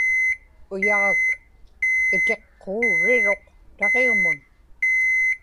uyaġak itiqquuriruq taġiumun